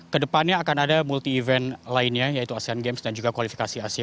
kedepannya akan ada multi event lainnya yaitu asean games dan juga kualifikasi asio dua puluh tiga